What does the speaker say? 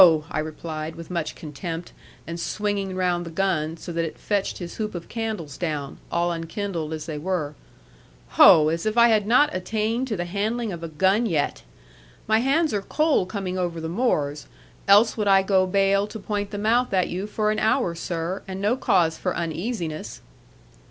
I replied with much contempt, and swinging round the gun so that it fetched his hoop of candles down, all unkindled as they were: 'Ho! as if I had not attained to the handling of a gun yet! My hands are cold coming over the moors, else would I go bail to point the mouth at you for an hour, sir, and no cause for uneasiness.'